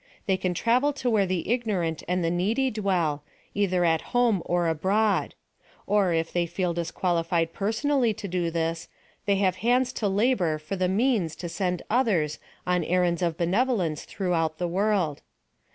They can travel to where the ignorant and the needy dwell, either at home or abroad: or, it they feel disqualified personally to do this, they have ^ands to labor for the means to send otners on er 214 PHILOSOPHY OF THE rands of banevolence throughout the world.